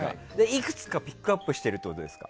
いくつかピックアップしてるってことですか？